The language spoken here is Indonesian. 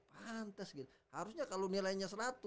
pantas gitu harusnya kalau nilainya seratus